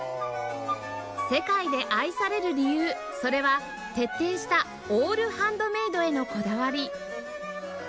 世界で愛される理由それは徹底したオールハンドメイドへのこだわり